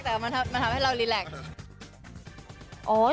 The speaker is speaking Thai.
แต่มันทำให้เรารีแล็ก